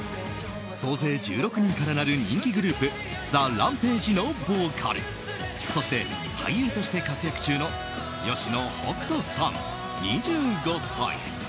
総勢１６人からなる人気グループＴＨＥＲＡＭＰＡＧＥのボーカルそして、俳優として活躍中の吉野北人さん、２５歳。